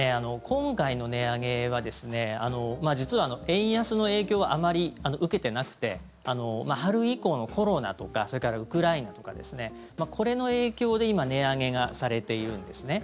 今回の値上げは実は円安の影響はあまり受けていなくて春以降のコロナとかそれからウクライナとかこれの影響で、今値上げがされているんですね。